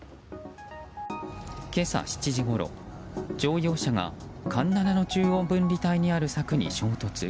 今朝７時ごろ、乗用車が環七の中央分離帯にある柵に衝突。